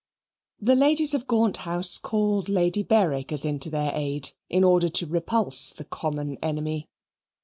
The ladies of Gaunt House called Lady Bareacres in to their aid, in order to repulse the common enemy.